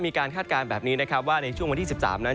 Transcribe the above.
คาดการณ์แบบนี้นะครับว่าในช่วงวันที่๑๓นั้น